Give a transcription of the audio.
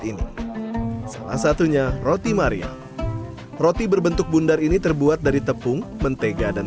ini salah satunya roti maria roti berbentuk bundar ini terbuat dari tepung mentega dan